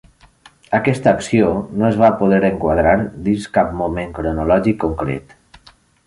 Aquesta acció no es va poder enquadrar dins cap moment cronològic concret.